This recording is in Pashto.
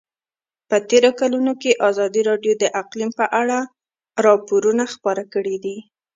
په تېرو کلونو کې ازادي راډیو د اقلیم په اړه راپورونه خپاره کړي دي.